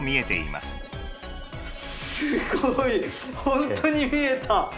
すごい本当に見えた。